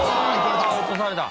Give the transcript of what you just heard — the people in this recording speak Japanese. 落とされた。